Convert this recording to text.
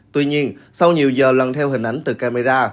tuy nhiên sau nhiều giờ lần theo hình ảnh từ camera